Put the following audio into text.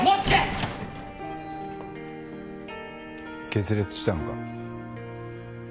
決裂したのか？